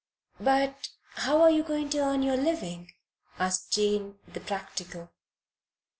"But how are you going to earn your living?" asked Jane, the practical.